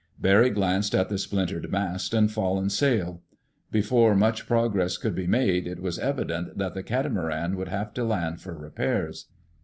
Barry glanced at the splintered mast and fallen sail. Before much progress could be made, it was evident that the catamaran would have to land for repairs.